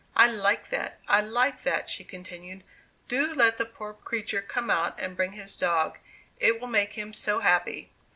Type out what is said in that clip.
"I like that, I like that," she continued; "do let the poor creature come and bring his dog. It will make him so happy."